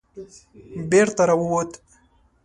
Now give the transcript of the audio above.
بېرته را ووت.